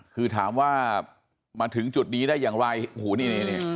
คือถามว่ามาถึงจุดนี้ได้อย่างไรโอ้โหนี่นี่